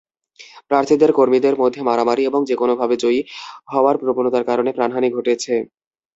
প্রার্থীদের কর্মীদের মধ্যে মারামারি এবং যেকোনোভাবে জয়ী হওয়ার প্রবণতার কারণে প্রাণহানি ঘটেছে।